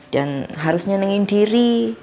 dan harus nyenengin diri